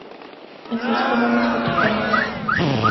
ہیسے سکولے وچ کٹھے پڑھنے سے